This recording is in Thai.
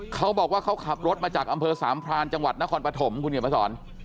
เขาบอกว่าเขาขับรถมาจากอำเภอสามพรานจังหวัดนครปฐมคุณเขียนมาสอน